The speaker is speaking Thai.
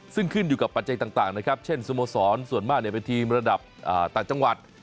ซึ่งขึ้นอยู่กับปัจจัยต่างนะครับเช่นสโมสรส่วนมากเป็นทีมระดับต่างจังหวัด